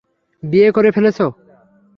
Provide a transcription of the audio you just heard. বিয়ে করে ফেলেছে?